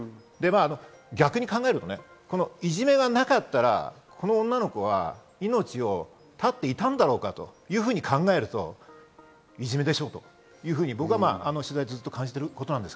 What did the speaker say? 逆に考えるといじめがなかったら、女の子は命を絶っていたんだろうかというふうに考えると、いじめでしょうと僕は取材で感じていることです。